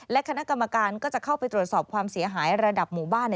และคณะกรรมการก็จะเข้าไปตรวจสอบความเสียหายระดับหมู่บ้าน